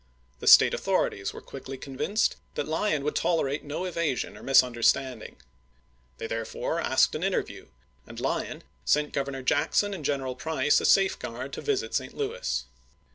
The State authorities were quickly convinced that Lyon would tolerate no evasion or misunderstanding. They therefore asked an interview, and Lyon sent Governor Jack son and General Price a safeguard to visit St. Louis.